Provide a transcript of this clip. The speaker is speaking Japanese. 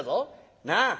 なあ。